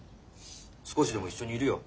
少しでも一緒にいるよ。